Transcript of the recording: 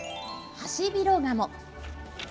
ハシビロガモ。